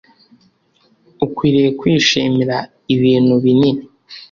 ukwiriye kwishimira ibinu binini